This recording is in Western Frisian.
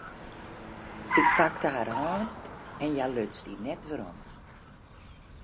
Ik pakte har hân en hja luts dy net werom.